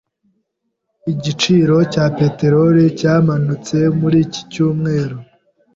Igiciro cya peteroli cyamanutse muri iki cyumweru.